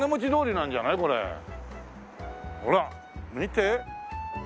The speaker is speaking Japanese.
ほら見て。